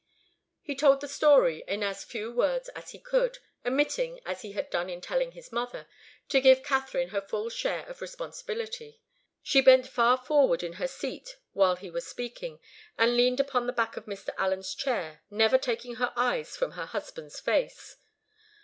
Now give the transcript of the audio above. He told the story in as few words as he could, omitting, as he had done in telling his mother, to give Katharine her full share of responsibility. She bent far forward in her seat while he was speaking, and leaned upon the back of Mr. Allen's chair, never taking her eyes from her husband's face.